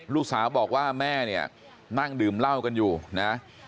ลูกสาวบอกว่าแม่เนี่ยนั่งดื่มเหล้ากันอยู่นะ